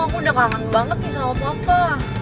aku udah kangen banget nih sama papa